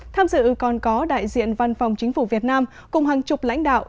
tham dự còn có đại diện văn phòng chính phủ việt nam cùng hàng chục lãnh đạo